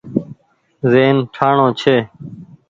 زهين ٺآڻو ڇي۔